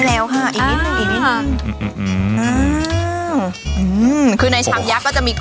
มีร้องมีหยก